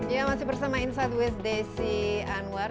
ya masih bersama insight with desi anwar